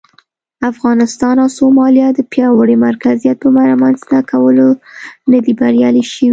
افغانستان او سومالیا د پیاوړي مرکزیت پر رامنځته کولو نه دي بریالي شوي.